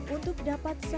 untuk dapat selamat